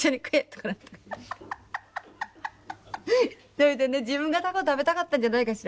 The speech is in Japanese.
それでね自分がタコ食べたかったんじゃないかしら。